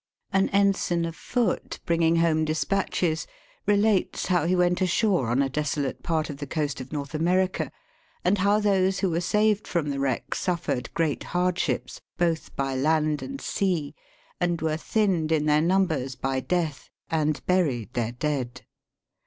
An ensign of foot, bringing home despatches, relates how she went ashore on a desolate part of the coast of North America, and how those who were saved from the wreck su tiered great hardships, both by land and and were thinned in their numbers by death, and buried their dead.